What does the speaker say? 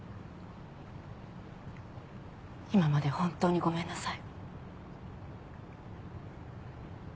今まで本当にごめんなさい。